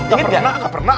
engga pernah engga pernah